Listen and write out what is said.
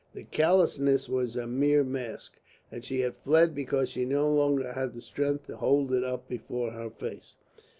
The callousness was a mere mask, and she had fled because she no longer had the strength to hold it up before her face.